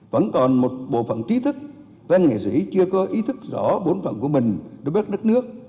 vẫn còn một bộ phận trí thức văn nghệ sĩ chưa có ý thức rõ bốn phận của mình đối với đất nước